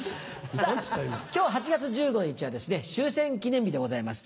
さぁ今日８月１５日は終戦記念日でございます。